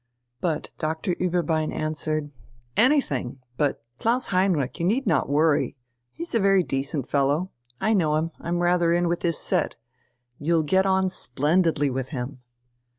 But Doctor Ueberbein answered: "Anything; but, Klaus Heinrich, you need not worry! He's a very decent fellow. I know him, I'm rather in with his set. You'll get on splendidly with him."